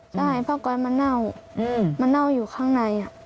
จะให้ผ้าก๊อตมันหน้าวอยู่ข้างใน